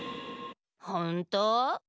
ほんと？